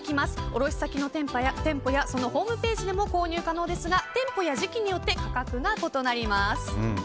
卸先の店舗やホームページでも購入可能ですが店舗や時期によって価格が異なります。